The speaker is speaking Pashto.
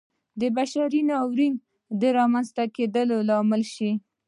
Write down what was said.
د بشري ناورین د رامنځته کېدو لامل شي.